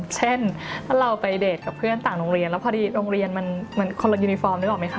เช่นถ้าเราไปเดทกับเพื่อนต่างโรงเรียนแล้วพอดีโรงเรียนมันเหมือนคนละยูนิฟอร์มนึกออกไหมค